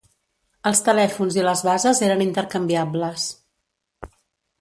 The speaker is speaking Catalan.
Els telèfons i les bases eren intercanviables.